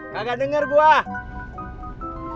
kagak denger gue